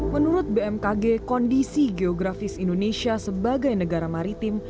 menurut bmkg kondisi geografis indonesia sebagai negara maritim